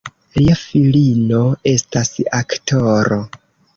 Lia filino estas aktoro.